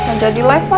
hah gak jadi live lah